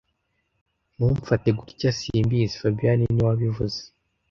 Ntumfate gutya sibyiza fabien niwe wabivuze